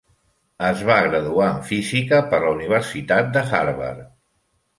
Es va graduar en física per la Universitat de Harvard.